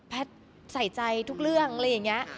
ใส่ใจทุกเรื่องอะไรอย่างนี้